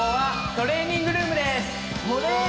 トレーニングルーム。